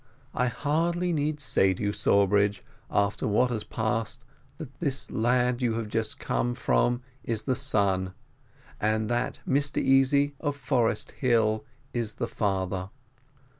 "I hardly need say to you, Sawbridge, after what has passed, that this lad you have just come from, is the son, and that Mr Easy of Forest Hill is the father."